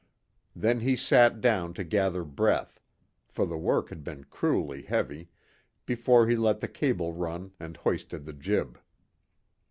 Then he sat down to gather breath for the work had been cruelly heavy before he let the cable run and hoisted the jib.